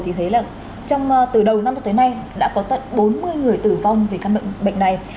thì thấy là từ đầu năm cho tới nay đã có tận bốn mươi người tử vong vì căn bệnh này